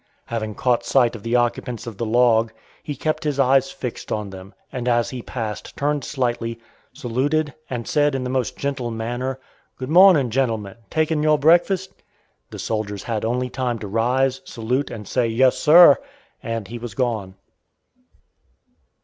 Having caught sight of the occupants of the log, he kept his eyes fixed on them, and as he passed, turned slightly, saluted, and said, in the most gentle manner: "Good morning, gentlemen; taking your breakfast?" The soldiers had only time to rise, salute, and say "Yes, sir!" and he was gone.